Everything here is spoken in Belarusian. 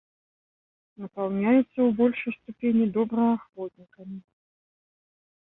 Напаўняецца ў большай ступені добраахвотнікамі.